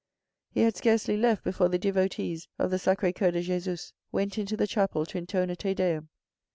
He had scarcely left before the devotees of the SacrS Coeur de Jesus went into the chapel to intone a Te Deum.